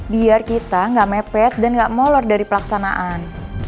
biar kita nggak mepet dan gak molor dari pelaksanaan